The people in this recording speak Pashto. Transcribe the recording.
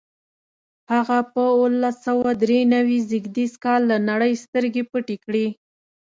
هغه په اوولس سوه درې نوي زېږدیز کال له نړۍ سترګې پټې کړې.